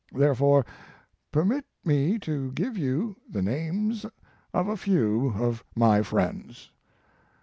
Therefore, permit me to give you the names of a few of my friends.